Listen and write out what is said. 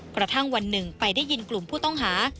กระทั่งวันหนึ่งไปได้ยินกลุ่มผู้ต้องหา